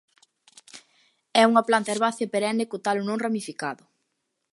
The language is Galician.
É unha planta herbácea perenne co talo non ramificado.